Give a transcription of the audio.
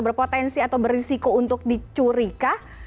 berpotensi atau berisiko untuk dicuri kah